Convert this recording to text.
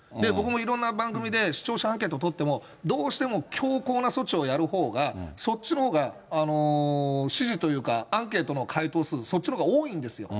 僕もいろんな番組で視聴者アンケート取っても、どうしても強硬な措置をやるほうが、そっちのほうが支持というか、アンケートの回答数、そっちのほうが多いんです。